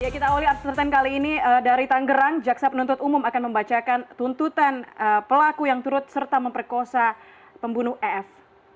kita awali after sepuluh kali ini dari tanggerang jaksa penuntut umum akan membacakan tuntutan pelaku yang turut serta memperkosa pembunuh ef